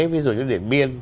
ví dụ như điện biên